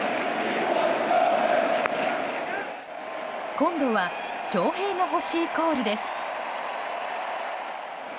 今度は翔平が欲しいコールです。